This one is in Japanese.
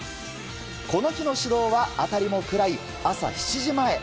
この日の始動は辺りも暗い朝７時前。